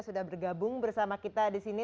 sudah bergabung bersama kita disini